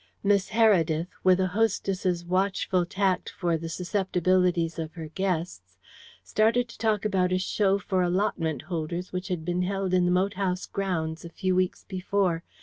Miss Heredith, with a hostess's watchful tact for the suspectibilities of her guests, started to talk about a show for allotment holders which had been held in the moat house grounds a few weeks before.